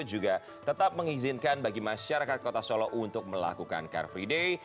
juga tetap mengizinkan bagi masyarakat kota solo untuk melakukan car free day